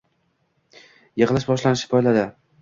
Yig‘ilish boshlanishini poyladi.